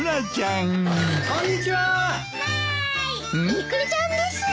イクラちゃんです！